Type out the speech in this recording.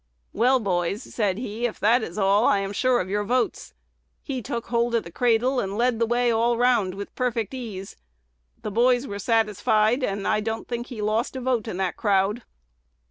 'Well, boys,' said he, 'if that is all, I am sure of your votes.' He took hold of the cradle, and led the way all the round with perfect ease. The boys were satisfied, and I don't think he lost a vote in the crowd.